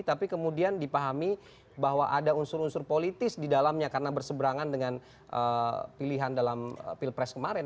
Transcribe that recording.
tapi kemudian dipahami bahwa ada unsur unsur politis di dalamnya karena berseberangan dengan pilihan dalam pilpres kemarin